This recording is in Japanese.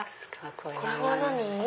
これは何？